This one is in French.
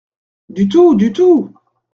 Du tout ! du tout !